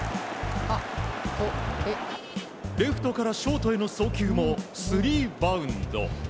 レフトからショートへの送球も３バウンド。